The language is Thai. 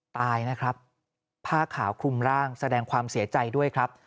ตายนะครับผ้าขาวคลุมร่างแสดงความเสียใจด้วยครับ